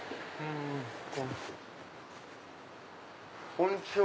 こんにちは。